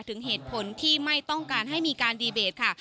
ถึงเหตุผลที่ไม่ต้องการให้มีการดีเบตค่ะ